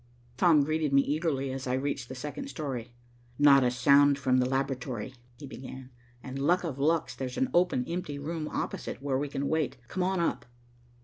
Tom greeted me eagerly as I reached the second story. "Not a sound from the laboratory," he began. "And, luck of lucks, there's an open, empty room opposite, where we can wait. Come on up."